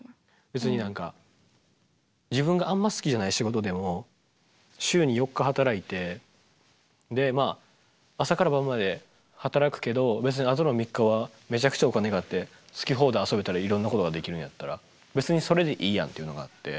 別に何か自分があんま好きじゃない仕事でも週に４日働いてでまあ朝から晩まで働くけど別にあとの３日はめちゃくちゃお金があって好き放題遊べたりいろんなことができるんやったら別にそれでいいやんっていうのがあって。